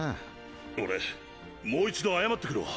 俺もう一度謝ってくるわ！